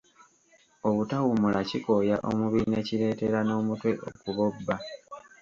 Obutawummula kikooya omubiri ne kiretera n'omutwe okubobba.